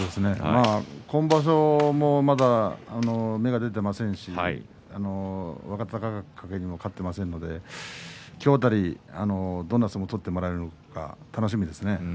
今場所もまだ芽が出ていませんし若隆景にも勝っていませんし今日辺りどんな相撲を取ってもらえるのか楽しみですね。